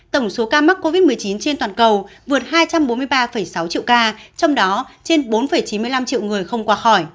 tổng số ca mắc covid một mươi chín trên toàn cầu vượt hai trăm bốn mươi ba sáu triệu ca trong đó trên bốn chín mươi năm triệu người không qua khỏi